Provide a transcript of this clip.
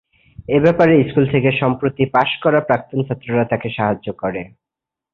এ ব্যাপারে স্কুল থেকে সম্প্রতি পাস করা প্রাক্তন ছাত্ররা তাদেরকে সাহায্য করে।